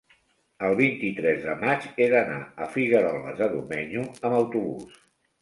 El vint-i-tres de maig he d'anar a Figueroles de Domenyo amb autobús.